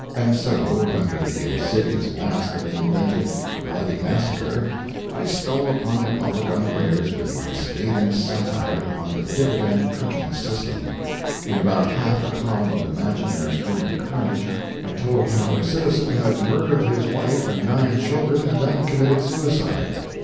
And so, under the insidious mask of an invented "bloody massacre," I stole upon the public unawares with my scathing satire upon the dividend cooking system. In about half a column of imaginary human carnage I told how a citizen had murdered his wife and nine children, and then committed suicide.